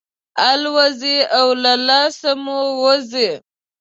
الوزي او له لاسه مو وځي.